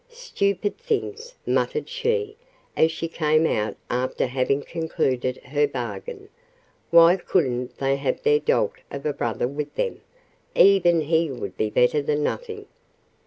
"Stupid things!" muttered she, as she came out after having concluded her bargain. "Why couldn't they have their dolt of a brother with them? even he would be better than nothing."